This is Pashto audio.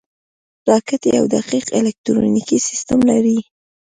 راکټ یو دقیق الکترونیکي سیستم لري